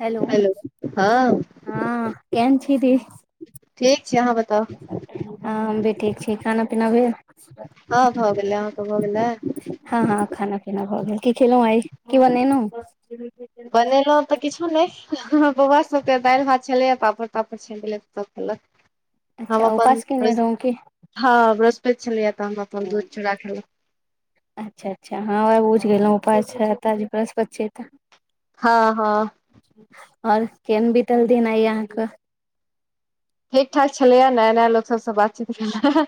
Hello हँ केहन छी दी? ठीक छै आहाँ बताउ? हँ हम भी ठीक छी खाना पीना भेल? हँ भऽ गेलै आहाँ के भऽ गेलैय? हँ हँ खाना पीना भऽ गेल की खेलौ आय? बनेलों। तऽ किछो नै हमर बौआ सब के दैल भात छेलै ए पापड़ -तापड़ छैन देलियै तऽ खेलक। हम अच्छा अपन उपास केने बृहस् रहौं की हँ बृहस्पैत छेल्लै ये तऽ हम अपन दूध चुड़ा खेलों। अच्छा अच्छा हँ बुझगेलों उपास छे तऽ बृहस्पत छैय तऽ। हँ, हँ। और केहन बीतल दिन आय आहाँकऽ? ठीक- ठाक छलैए नया -नया लोक सबसँ बातचीत भेल आ।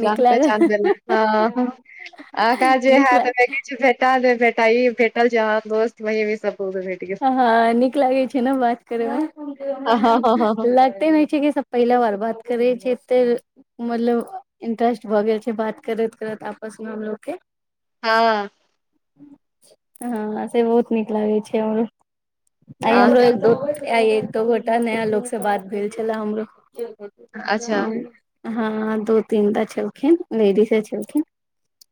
नीक जान पहचान लागल भेले हेँ हँ, हँ आगा जे नीक हेएत लाग [unintelligible] कुछ भेठा नै भेठा इ भेटल जे हँ दोस्त महिम इ सब खुब भेट- गेल हँ नीक लगेै छै नऽ बात करे मे हँ हँ हँ लग- तेै नै छै जे सब पहिला बार बात करै छै एते- मतलब इंटरेस्ट भऽ गेल छै बात करैत करैत आपस मे हमलोग के- हँ। हँ से बहुत नीक लागे छै हमरो। आय हमरो अहाँके एक दो आय एक दु गोटा नया लोक से बात भेल छेल्ला हमरो। ह अच्छा हँ दू तीनटा छेलखिन लेडीसे छेलखिन।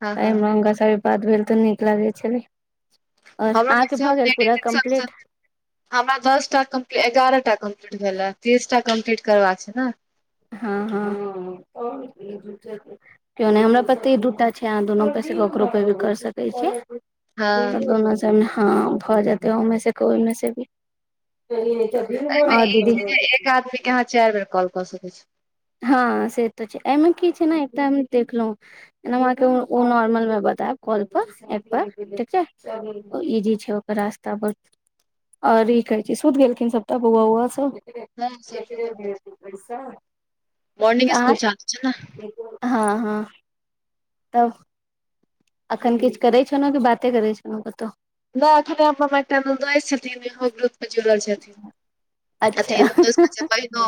हँ आय हँ हमरा हुनका सँ आय बात भेल तऽ नीक लागेै छेलै और हमरो आहाँके भऽ मैक्सिमम गेल पूरा लेडीज कम- सब हमरा दशटा कमपली एगारहटा कम्पलीट भेलै तीसटा कम्पलीट करबाक छै नऽ। हँ, हँ। केओ नै हमरा पतिे दूटा छै आहाँ दुनू पैसे के ककरो पे भी कर सकै छियै। हँ तऽ [unintelligible] में हँ भऽ जेतै ओमे से को ओमे से अभी [unintelligible] हँ दीदी। एक्के आदमी के अहाँ चाइर बेर कॉल कऽ सकै छी। हँ से तऽ छै एयमे की छै न एकटा में देखलौं एना हम अहाँके उ उ नॉर्मल में बतैब कॉल पर। एपपर ठीक छै ओ ईजी छै ओकर रास्ता बर और ई कहै छै सुइत गेलखिन सबटा बौआ उौआ सब? हँ सर मॉर्निंग तऽ स्कूल चालू छै ने आंय हँ हँ तब अखन किछ करै छनौं की बाते करै छलौं कतौ? नैय एखने [unintelligible] हमर एकटा ननदौइस छथिन [unintelligible] ओ जरूल छथिन छथिन अच्छा अथि नदौइस कहै छियै बहिनौ।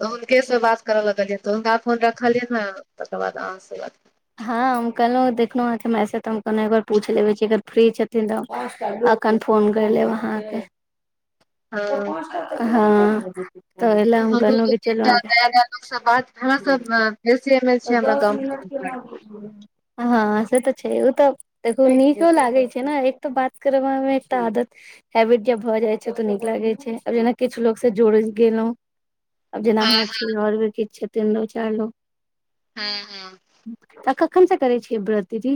तऽ हुनके से बात करऽ लगलियै तऽ हुनका फोन रखलियै न तकर बाद अहाँ स बात हँ हम कहलौं देखलौं अहाँके मैसेज तऽ हम कहलौं एकबार पूछ लेबे छी अगर फ्री छथिन तऽ आ कनफोन कैर लेब अहाँके हँ हँ। तऽ एलै हम हमरो कहलौं कि चलू आ [unintelligible] ह बेसी अय में तऽ दस मिनट केना बुझबै हँ से तऽ छै उ तऽ देखु नीको लागै छै न एक तो बात करबामे एकटा आदत हैबिट जब भऽ जाइ छै तऽ नीक लागे छै आब जेना किछ लोक स जोड़ गेलौं। आब जेना हँ अहाँ छी और भी किछ छथिन दो चार लोक। हूं हँ। तऽ कखन से करै छियै ब्रत दीदी?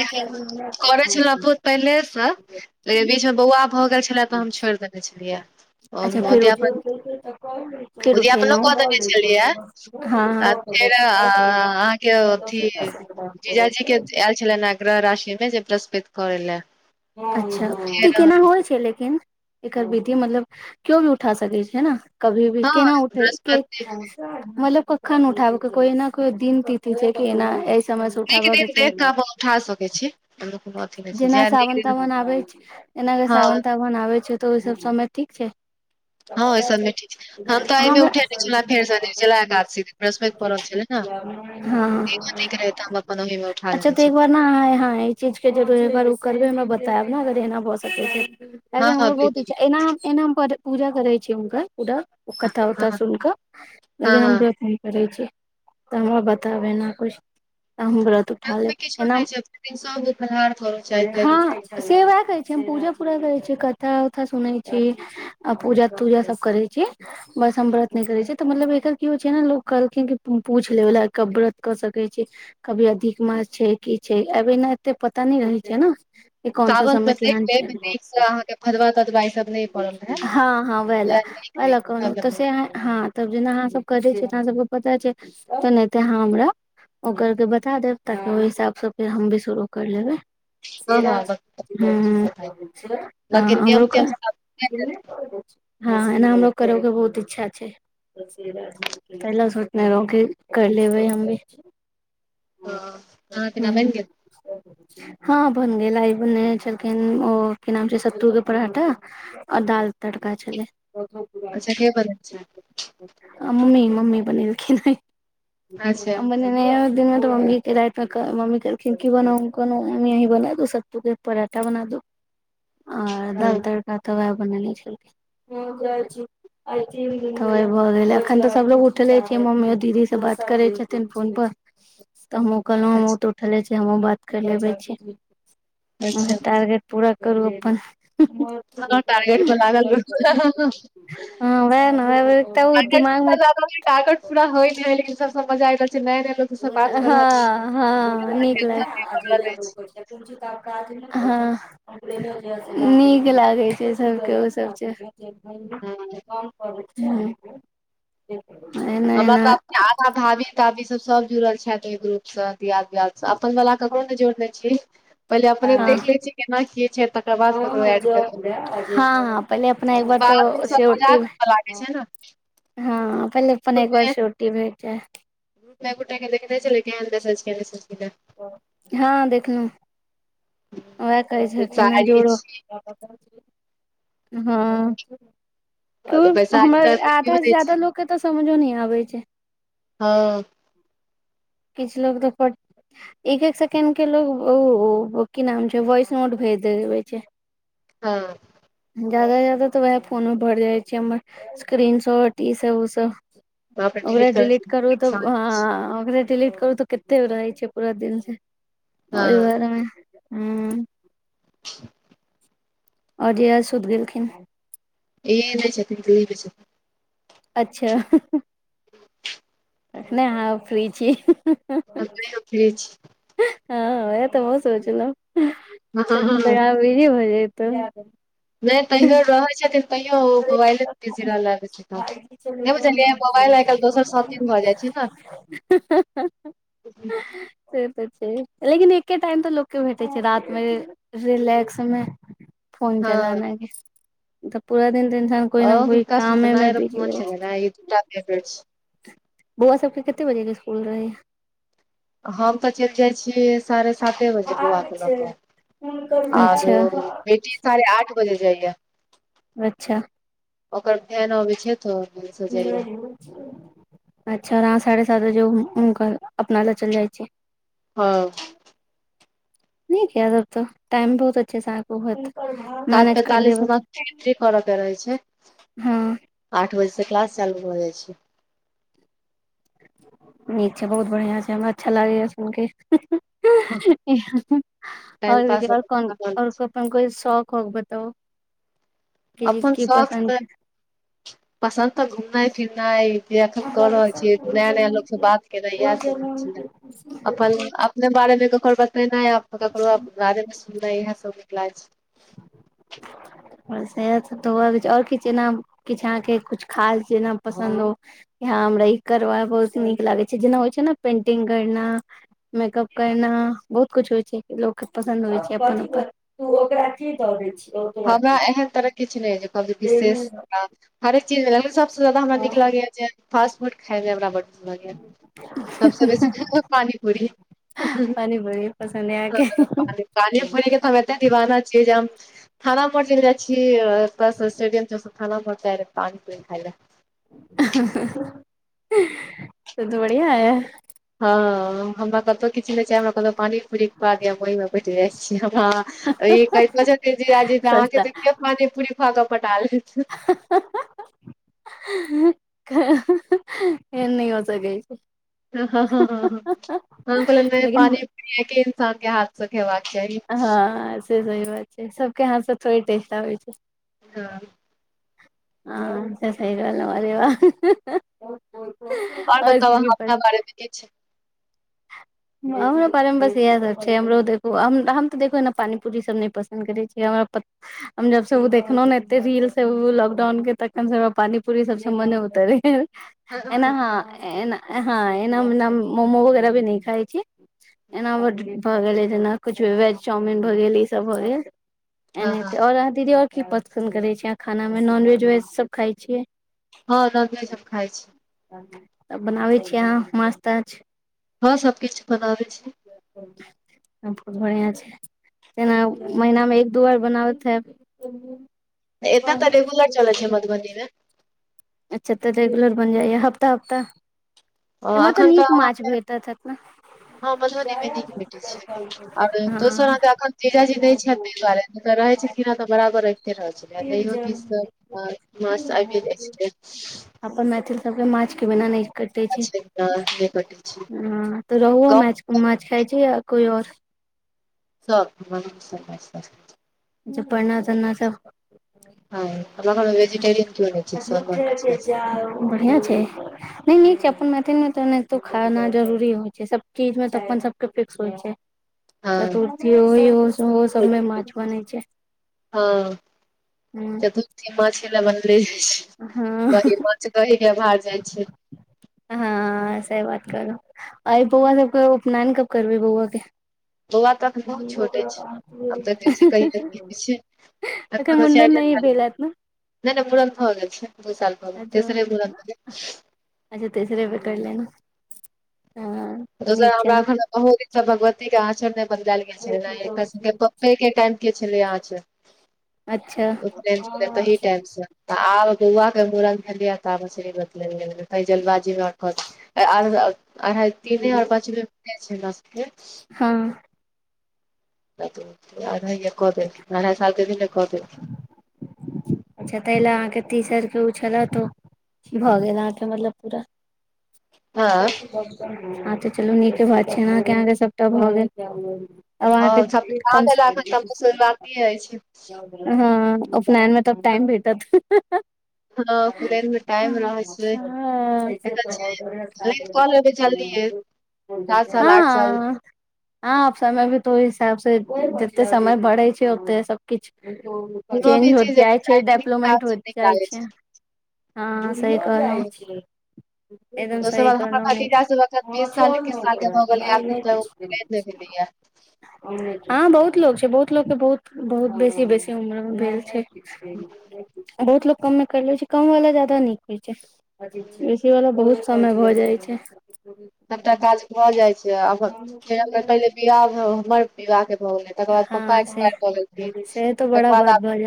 इह [unintelligible] करै छलौं बहुत पहिलेए स लेकिन बीच में बौआ भऽ गैल छे छेलै तऽ हम छोइड़ देने छेलियै ओ अच्छा फेर उठ फेर उद्यापन---उद्यापनो कऽ देने छेलियै। उठेलहुँ आ फेर हँ अहाँ के अथी जीजाजी के एल छलैन हैं ग्रह राशि में जे ब्रस्पैत करै लै। अच्छा तऽ ई केना होइ छै लेकिन? एकर विधि मतलब कियो भी उठा सकै छै न। कभी भी हँ केना उठै के बृहस्पति मतलब क खन उठाबै के कोई ना कोई दिन तिथि छै की एना ऐस नीक दिन देख कऽ अपन उठा सकै छी हमलोग को बहौत [unintelligible] जैह नीक दिन नाबै छै एना कऽ हँ साबून-ताबून आबै छै तऽ ओय सब समय ठीक छै? हँ ओहि सबमे ठीक छै हम [unintelligible] तऽ एहिमे हमरा [unintelligible] उठेने छलहुँ फेर सँ निर्जला एकादशी दिन बृहस्पति पड़ल छलै ने [unintelligible] हँ ठीक रहै तऽ हम अपन ओहिमे उठा अच्छा लेने तऽ छलहुँ एक बार ना हाँ हाय ई चीज के जरूर उ बड़ू करबै हमरा बतैब न अगर एना भऽ सकै छै। अरे हँ हँ हमरो बहुत बिलकुल इच्छा एनाम-एनाम पर पूजा करै छियै हुनकर पूडा ओ कथा हँ वथा सुन कऽ हँ लकिन हँ हम ब्रत नैय करै छी। तऽ हमरा बताबै न कुछ तऽ हम ब्रत हेल्थमे किछो नैय छैय दू दिन सहू फल्हार करू चाय ताय। हँ से वएह कहै छी हम पूजा पूरा करै छी कथा-उथा सुनै छी आ पूजा-तूजा सब करै छी। बस हम ब्रत नैय करै छी तऽ मतलब एकर की होइ छै न लोक कहलखिन की पूछ लेबला कऽ ब्रत कऽ सकै छी कभी अधिक महत् छै की छै अभी न एत्ते पता नैय रहै छै न। के कोन सा सावनमे समय देख केहान छै लेब नीकसँ अहाँके फतवा ततवा ई सब नहि पड़ल रहै [unintelligible] हँ हँ वैह लऽ। वैह लै कहलौं तऽ से ए हँ तब जेना अहाँ सब करै छियै त अहाँ सब के पता छै तेनाहिते अहाँ हमरा ओ करके बता देब ताकि ओहि हिसाब से फेर हम भी शुरू कर लेबैह। हँ हँ ब हम्म हॅं हॅं हमरो क तियम सब आब बनि गेल? हँहॅं एना हमरो करौ के बहुत इच्छा छै। पहिला सोचने रहौं कि कर लेबै हम भी। हाँ, अहाँ के ना हँ बनि गेल हॅं बन गेलै। बनेने छलखिन ओ की नाम छै सत्तू के पराठा और दाल तड़का छलैह। अच्छा के बनेने छै? आ मम्मी मम्मी बनेलखिन्ह आइ। अच्छा हम दिन मे त मम्मी के राति मे क मम्मी कहलखिन की बनाउ हम कहलौं मम्मी अहीं बनेए दू सत्तू के पराठा बना दू आर ह दाल तड़का तऽ वेएह बनैले छलखिन। हँ जाइ छी। भऽ गेलै एखन तऽ सबलोग उठले छै मम्मियो दीदी से बात करै छथिन फोन पर। तऽ हमहुँ कहलौ अच्छा हमहुॅं तऽ उठले छी हमहुँ बात कर लेबै छी। अहां अच्छा टारगेट पूरा करू अप्पन। हँ टारगेट पर लागल रहू हँ वेएह नऽ एकटा ओ टारगेट दिमाग मे से लागल रहै, टारगेट पूरा होइ छै लेकिन सब स मजा आइब रहल छै नया नया लोग हँ हँ नीक टेंशन लाग नहि पड़ रहल अछि हँ [inaudible] नीक लागै छै सबके ओ सब चीज। हँ [inaudible] हमरा तऽ अपने आधा धाबी। ताबी सब सब जुड़ल छथि ओइ ग्रुप सॅं दियाद बियाद स अपन बला ककरो नै जोड़ने छिह। पहिले अपने हँ देख लै छिय केना की छै तकर बाद ककरो ऐड करबै। हँ हँ पहिले अपना एक बार तो बाद मे सब सियोटी मजाक करऽ लागै छै न। हँ पहिले अपन एक बार सीयोटी भेजेए। एक गोटा के देखने छलियै केहेन मैसेज केने छलखिन हें। हँ देखलहुॅं। वेएह कहै छलखिन हें बैसारी जोड़ो। छी हँ। क्यू और बैसारी हमरा तऽ लगै कियो आधा से नहि ज्यादा छै लोक के तऽ समझो नै आबै छै। हँ। किछ लोक तऽ एक- एक सेकेंड के लोग ओ -ओ -ओ- ओ की नाम छिय वॉइस नोट भेज देबै छै। हँ। ज्यादा से ज्यादा तऽ वेएहे फोन मे भरि जाय छै हम्मर स्क्रीन सॉट ई सब उ सब। बाप रे ओकरा कर डिलीट करू तऽ हँ आ-आ -आ ओकरे डिलीट करू तऽ केत्ते रहै छै पूरा दिन के ओय हँ वारे मे हूँ। और रिया सुत गेलखिन? रिया नै छथिन रूही बस छथि। अच्छा। तखने अहाँ फ्री छी। हम कैहयो फ्री छी। हँ वेहए तऽ हमहूँ सोचलौ हँ तखन तऽ हँ आहाँ बीजी भऽ जइतौ। नै कहियो रहै छथिन तैयो ओ मोबाइले बिजी रहला बेसी। नै बुझलियै मोबाइल आय कैल्ह दोसर सौतीन भऽ जाय छै नऽ। [unintelligible] से तऽ छै लेकिन एके टाइम तऽ लोक के भेटै छै रात मे। रिलैक्स मे फोन चलाने हँ मे नै तऽ पूरा दिन तऽ इन्सान। और हिनका सुतनाय और फोन चलेनाय इ दूटा फेवरेट छै। बौआ सबके कते बजे के स्कूल रहये? हम तऽ चैलय जाय छियै। साढ़े साते बजे बौआ के लऽ कऽ आर अच्छा ओ बेटी- साड़हे आठ बजे जाय या। अच्छा। ओकर फेन अबै छै तऽ। वैन से जाइया अच्छा आहाँ साढ़े सात बजे हुनकर अपना लए चैल जाय छै। हँ। नीक या तब तऽ टाइम बहुत अच्छे से आहाँक होत। सात मैनेज कर पैंतालिस लेबै हमरा एंट्री करऽ के रहै छै। हँ आठ बजेसँ क्लास चालू भऽ जाय छै। नीक छै बहुत बढ़िआँ छै हमरा अच्छा लागैय सुन के। हँ, ह-ह-ह टाइम और पास दीदी और कोन और गप। अपन कोय शौख औख बताउ कि -की पसंन्द? पसंन्द तऽ घूमनाय फिरनाय। जे अखन कऽ रहल छीयै नया -नया लोक से बात केनाइ इएह सब [unintelligible] अपन-अप। अपने बारे मे ककरो बतेनाइ आ ककरो बारे मे सुननाइ इएह सब निकलागेै छै। बस एहा सब तऽ छै [unintelligible] और कि छै नाम। किछ आहाँके कुछ खास जेना पसंन्द हो? हँ हमरा ई करबा बहुत नीक लागेै छै जेना होय छै नऽ पेंटिंग करना। मेकअप करना बहुत कुछ होय छै लोक के पसंन्द होय छै अपन -अपन। तू ओकरा कि कहने छीयो? हमरा एहन तरहक किछ नै जे कहब जे विशेष हँ हरेक चीज [unintelligible] सब। सबसे जादा हमरा नीक लागैया जे फास्ट फूड खायमे हमरा बड्ड लागैया। सबसँ बेसी जे है पानी पूरी हँ हँ पानी बड़ी पसन्द है अहाँके तब [unintelligible] पानी। पानीयो पुरी के तऽ हम एते दिवाना छियै जे हम। थाना पर चैल जाय छी अतऽ सँ स्टेडियम चौक थाना पर [unintelligible] पानी पूरी खाय लेए। तब तऽ बढ़ियां या। हँ हमरा कतौ किछ नै छै चाही हमरा कतौ पानी पूरी खुआ दिअ हम ओही मे- पैट जा छी हमरा आहाँ ई [unintelligible] सस्ता तऽ पानी पूरी खुआकऽ पटालेै छियै। ह-ह-ह एहन नै हो सकै छै ह- ह -ह -ह हम कहलियैन नै लेकिन पानि पूरी एके इंनसान के हाथ। से खेबाक चाही- हँ से सही रहै छै सबके हाथसँ थोड़े टेस्ट आबै छै। हँ। हँ से सही रहल अरे बाह! आओर बताऽ अहाँ अपना बारेमे किछ हमरो बारेमे बस इएह सभ छै हमरो देखू हम तऽ देखू ने पानी पूी सभ नहि पसन्द करैत छीय हमरा हम जब से ओ देखलो ने एते रील से ओ लॉकडाउन के तखन सेरा पानी पूी सबस मन उते रहै। हँ एना हँ ह ए हँ एना मोमो वगैरह भी न खाइ छी। एना बर्डडे भऽ गेलै जेना किुछु भ वेज चाउमिन भऽ गेल ईसभ भऽ गेल हँ एनाहिते आओर अहाँ दीदी आओर की पसन्द करै छी अहाँ खानामे नॉनवेज वेज सभ खाइ छियै। हँ नॉनवेज हम खाय छी। तब बनाबै छीयै अहाँ माछ ताछ हँ सब किछु बनाबै छी। बहुत बढ़िआँ छै। जेना महिनामे एक दू बार बनाबैत हेब - एता तऽ रेगुलर चलै छै मधुबनी मे अच्छा तऽ रेगुलर बन जाइया हफ्ता हफ्ता एमहर तऽ अखन नीक माछ अहाँके भेट हैत ने हँ मधुबनी मे नीक भेटैत छै आओर दोसर हँ ह त एखन जीजाजी नहि छथि ताहि दुआरे त रहै छै कि नहि तऽ बराबर रहै तेरज य गीत मस आ जा छै। अपन मैथिल सबके माछ के बिना नहि कटे छै अच्छा नहि कटै छै ह तऽ रहु गाँव माछ कुन माछ खाइ छै या कोई आओर सब पढ़ना चना सब हँ हमरा घर मैं वेजिटेरियन कीयों नै छै। बढ़िआँ छै। नहि नीक छै अपन मैथिल मे तऽ नहितो खाना जरूरी होइ छै सब चीज मे तऽ अपन सबके फिक्स होइ छै। हँ चतुर्थी हो ओ ओ सबमे माछ बने छै हँ ह चतुर्थी माछ लए बनले जाइ छै हँ दही माछ दही के भार जाइ छै। हँ सही बात करुलो ओर बौआ सबके उपनान कब करबै बौआ के बौआ तऽ अखन बहुत छोटे ओकरा छै आब देखै छियै कहिया की होइ छै अखान एखन ओ मुण्डन चारिये नहि साल के भेल हैत न नहि नहि मुरण भऽ गेल छै दू साल भ गेल अच्छा तेसरे मुरन अच्छा तेसरे मा करलेने न ह दोसर हमरा एखन बहुत दिनसँ भगवतीके आँचरण नहि बदलायल गेल छलै एकरके के टाइम के छलह अच्छा टाहि टाइम से तऽ आब बौआके मूड़न भेलियै तऽब आचरी बतलेलियै कही जलबाजीमे रखत अढ़ाइ तीने आओर पाँच जा छै न हँ आधा क दे अढ़इ सालके द क दे अच्छा ताहि लए अहाँके तीसरके ओ छलऽ तो भऽ गेल अहाँके मतलब पूरा हँ हँ तऽ चलू नीके बात छैय अके अहाँके सभटा भऽ गेल अब हँ सब अहाँकेम शुरुआती अछि हँ उपनयनमे त टाइम भेटत हँ उपनयन मे टाइम रहै हाँ नहि कॉलबै जल्दीए हँ। आब समय भी तऽ ओहि हिसाब से जते समय बढ़ै छै ओते सब। किछ कोनो चेंज भी होइत चीज एक जाइ छै, टाइमिंग हिसाब डेपलोपमेंट से होइत नीक जाइ लागै छै, ह। सही कहलौं। एकदम सही दोसगर हमरा कहलौं ई भतिजा तऽ वकत बीस साल एकैस साल के भऽ गेलै, आ जज में भेलैया। ह बहुत लोग छै, बहुत लोग के बहुत- बहुत बेसी -बेसी उम्र मे भेल छै। बहुत लोक कमे कर ले छै, कम वाला जादा नीक होइ छै। एसी वला बहुत समय भऽ जाइ छै। सभटा काज भऽ जाइ छै, आब फेर पहिले बिवाह हमर बिवाह के भऽ गेलै। तकर बाद पप्पा हँ से एक्सपायर कऽ गेलखिन, बूढ़े से तऽ तकर बड़ा बात बाद आब भऽ जाइ